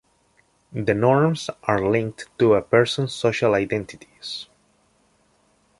The norms are linked to a person's social identities.